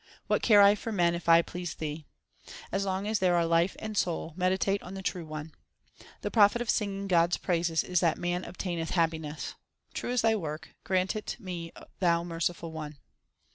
What care I for men if I please Thee ? As long as there are life and soul, meditate on the True One. The profit of singing God s praises is that man obtaineth happiness. True is Thy work ; grant it me, Thou Merciful One.